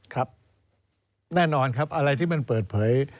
ครับแน่นอนครับอะไรที่มันเปิดเผย